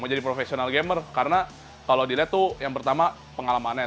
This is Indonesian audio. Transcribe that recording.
mau jadi professional gamer karena kalau dilihat tuh yang pertama pengalamannya